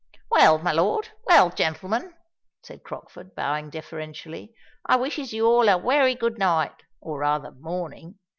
"Well, my lord—well gentlemen," said Crockford, bowing deferentially; "I wishes you all a wery good night—or rather morning.